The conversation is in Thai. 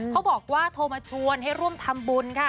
เขาบอกว่าโทรมาชวนให้ร่วมทำบุญค่ะ